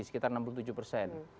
sekitar enam puluh tujuh persen